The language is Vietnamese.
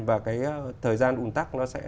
và cái thời gian ủn tắc nó sẽ